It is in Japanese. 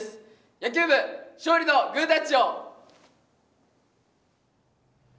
野球部、勝利のグータッチを！